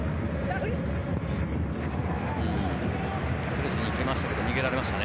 プレスに行きましたけれど、逃げられましたね。